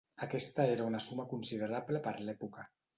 Aquesta era una suma considerable per l'època.